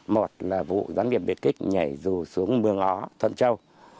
một là vụ gián điệp biệt kích nhảy dù xuống mương ó thuận châu